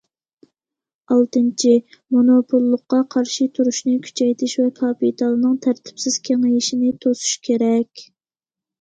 ئالتىنچى، مونوپوللۇققا قارشى تۇرۇشنى كۈچەيتىش ۋە كاپىتالنىڭ تەرتىپسىز كېڭىيىشىنى توسۇش كېرەك.